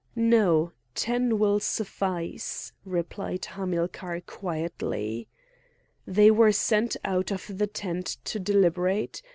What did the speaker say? "No! ten will suffice," replied Hamilcar quietly. They were sent out of the tent to deliberate.